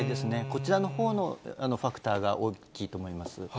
こちらのほうのファクターが大きいと思います。